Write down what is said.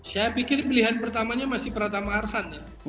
saya pikir pilihan pertamanya masih pratama arhan ya